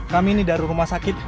kami ini dari rumah sakit